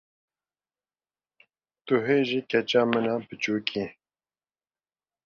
Tu hê jî keça min a biçûk î.